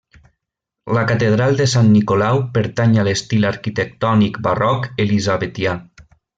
La catedral de Sant Nicolau pertany a l'estil arquitectònic barroc elisabetià.